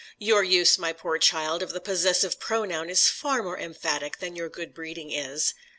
"Your use, my poor child, of the possessive pronoun is far more emphatic than your good breeding is."